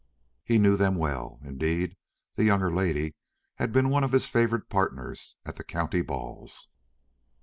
He knew them well; indeed, the younger lady had been one of his favourite partners at the county balls.